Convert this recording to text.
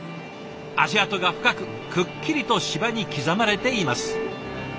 足跡が深くくっきりと芝に刻まれています。